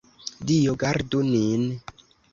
Dio gardu nin!